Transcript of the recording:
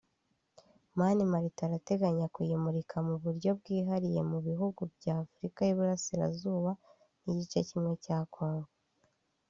Mani Martin arateganya kuyimurika mu buryo bwihariye mu bihugu bya Afurika y’Uburasirazuba n’igice kimwe cya Congo